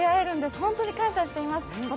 本当に感謝しています。